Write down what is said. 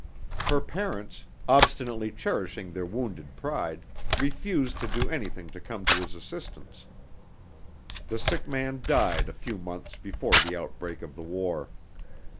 Her parents, obstinately cherishing their wounded pride, refused to do anything to come to his assistance. The sick man died a few months before the outbreak of the war.